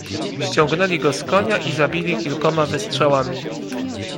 "Ściągnęli go z konia i zabili kilkoma wystrzałami."